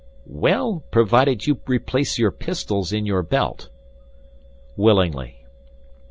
"Well, provided you replace your pistols in your belt." "Willingly."